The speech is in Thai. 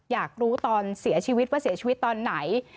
อยากรู้ตอนเสียชีวิตว่าเสียชีวิตตอนไหน